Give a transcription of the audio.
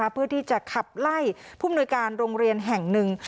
เพื่อที่จะขับไล่ผู้มนุยการโรงเรียนแห่งหนึ่ง